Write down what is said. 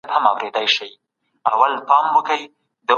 پرمختللې ټولنه به د نويو مثبتو فکرونو تود هرکلی کوي.